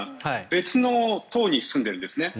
別の棟に住んでいるんですね。